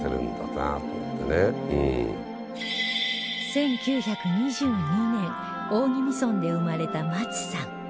１９２２年大宜味村で生まれたマツさん